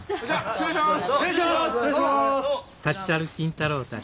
失礼します。